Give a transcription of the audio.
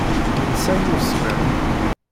Yensa i usemmiḍ.